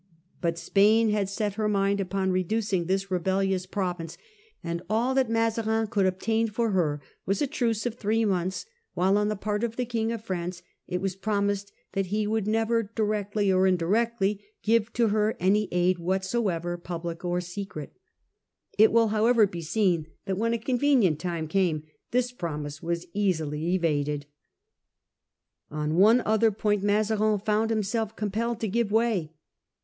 But Spain had set her mind Mazarin upon reducing this rebellious province. All gives way that Mazarin could obtain for her was a truce regarding Portugal. of three months, while on the part of the King of France it was promised that he would never, directly or indirectly, give to her any aid whatsoever, public or secret. It will however be seen that when a convenient time came, this promise was easily evaded. On one other point Mazarin found himself compelled to give way.